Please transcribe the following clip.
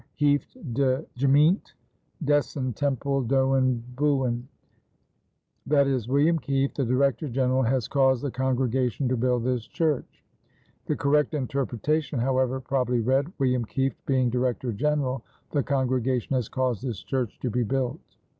Heeft de Gemeente desen Tempel doen Bouwen," i.e., "William Kieft, the Director General, has caused the congregation to build this church." The correct interpretation, however, probably read: "William Kieft being Director General, the congregation has caused this church to be built."